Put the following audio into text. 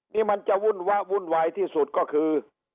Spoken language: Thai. นี่มันจะวุ่นวะวุ่นวายที่สุดก็คือ